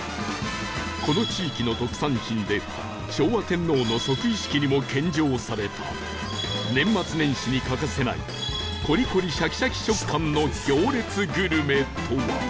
この地域の特産品で昭和天皇の即位式にも献上された年末年始に欠かせないコリコリシャキシャキ食感の行列グルメとは？